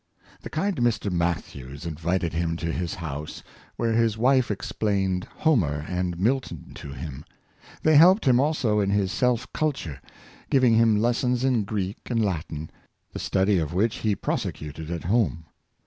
The kind Mr. Matthews invited him to his house, where his wife explained Homer and Milton to him. They helped him also in his self culture — giving him lessons in Greek and Latin, the study of which he pros ecuted at home.